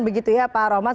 begitu ya pak rahmat